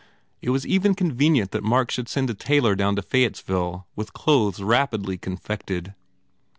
It was even convenient that Mark should send a tailor down to Fayettesville with clothes rapidly confected.